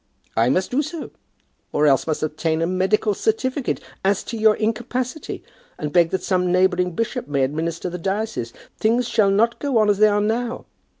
"I must do so, or must else obtain a medical certificate as to your incapacity, and beg that some neighbouring bishop may administer the diocese. Things shall not go on as they are now.